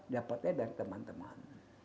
dapatnya dari teman teman